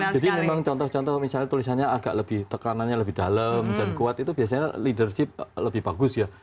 jadi memang contoh contoh misalnya tulisannya agak lebih tekanannya lebih dalam dan kuat itu biasanya leadership lebih bagus ya